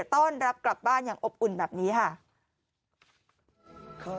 ต้อนรับกลับบ้านอย่างอบอุ่นแบบนี้ค่ะ